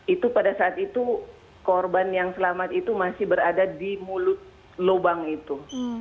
itu pada saat itu korban yang selamat itu masih berada di mulut lubang itu